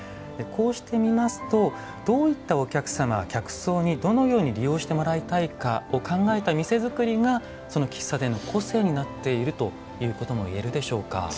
こうして見ますとどういったお客様客層にどのように利用してもらいたいかを考えた店作りがその喫茶店の個性になっているということも言えるでしょうか。